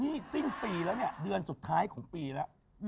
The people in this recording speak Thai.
นี่สิ้นปีแล้วเนี่ยเดือนสุดท้ายของปีแล้ว